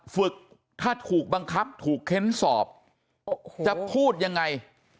ฝึกถ้าถูกบังคับถูกเค้นสอบจะพูดยังไง